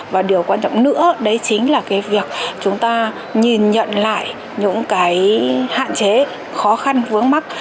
và điều quan trọng nữa đấy chính là cái việc chúng ta nhìn nhận lại những cái hạn chế khó khăn vướng mắt